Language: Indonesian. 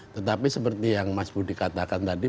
tetapi seperti yang mas budi katakan tadi